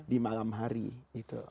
di malam hari gitu